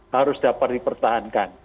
harus dapat dipertahankan